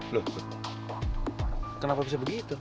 loh kenapa bisa begitu